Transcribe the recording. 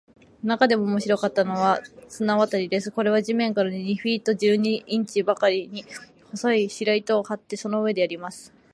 なかでも面白かったのは、綱渡りです。これは地面から二フィート十二インチばかりに、細い白糸を張って、その上でやります。